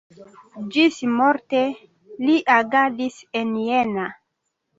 Ĝismorte li agadis en Jena.